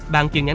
bàn chuyên án